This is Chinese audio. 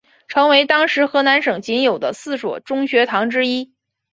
成为当时河南省仅有的四所中学堂之一。